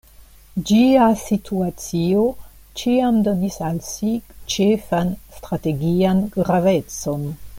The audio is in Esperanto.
Ĝia situacio ĉiam donis al si ĉefan strategian gravecon.